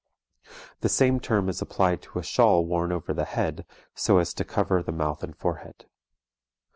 The same term is applied to a shawl worn over the head, so as to cover the mouth and forehead.